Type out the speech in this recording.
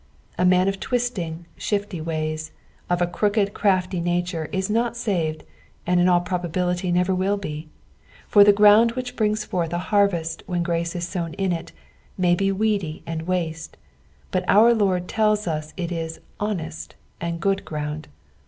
A man of twisting, shifty ways, of a crooked, crafty nature, is not saved, and in all probability never will be ; for the ground which brings forth a harvest when grace is sown in it, may be weedy and waste, but our Lord tells us it ia honeet and good ground.